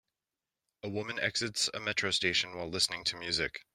A woman exits a metro station while listening to music.